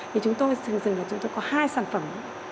thì chúng tôi có hai sản phẩm